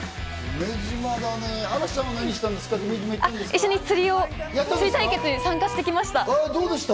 一緒に釣り対決に参加してきました。